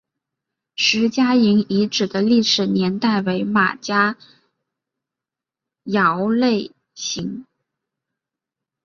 石家营遗址的历史年代为马家窑类型。